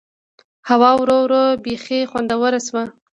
هوا ورو ورو بيخي خوندوره شوه.